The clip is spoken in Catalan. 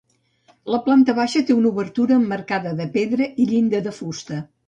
La planta baixa té una obertura emmarcada de pedra i llinda de fusta.